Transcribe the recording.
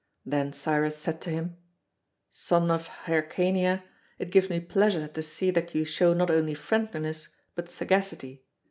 Then Cyrus said to him, "Son of Hyrcania, it gives me pleasure to see that you show not only friendliness, but sagacity.